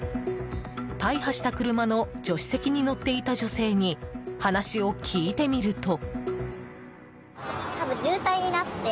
大破した車の助手席に乗っていた女性に話を聞いてみると。